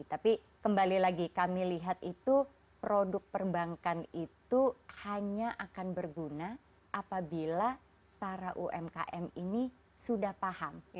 tapi kembali lagi kami lihat itu produk perbankan itu hanya akan berguna apabila para umkm ini sudah paham